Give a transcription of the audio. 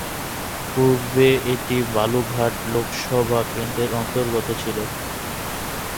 পূর্বে এটি বালুরঘাট লোকসভা কেন্দ্রের অন্তর্গত ছিল।